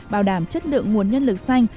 bảo đảm chất lượng nguồn nhân lực xanh